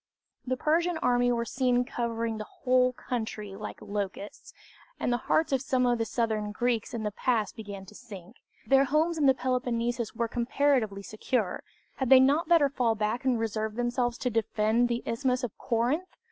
The Persian army were seen covering the whole country like locusts, and the hearts of some of the southern Greeks in the pass began to sink. Their homes in the Peloponnesus were comparatively secure had they not better fall back and reserve themselves to defend the Isthmus of Corinth?